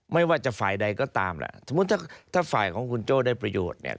ไม่ว่าจะฝ่ายใดก็ตามแหละสมมุติถ้าถ้าฝ่ายของคุณโจ้ได้ประโยชน์เนี่ย